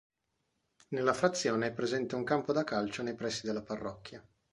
Nella frazione è presente un campo da calcio nei pressi della parrocchia.